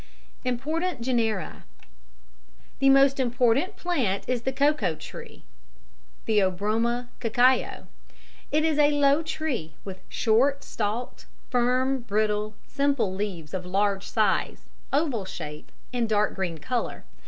_ IMPORTANT GENERA. The most important plant is the Cocoa Tree (Theobroma Cacao). It is a low tree with short stalked, firm, brittle, simple leaves of large size, oval shape, and dark green colour.